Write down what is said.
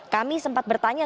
kami sempat bertanya